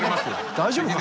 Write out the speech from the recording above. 大丈夫かな？